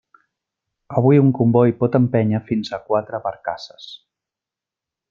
Avui un comboi pot empènyer fins a quatre barcasses.